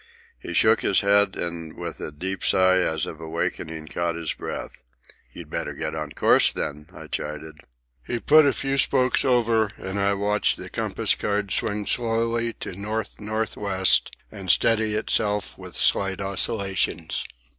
He shook his head, and with a deep sign as of awakening, caught his breath. "You'd better get on your course, then," I chided. He put a few spokes over, and I watched the compass card swing slowly to N.N.W. and steady itself with slight oscillations.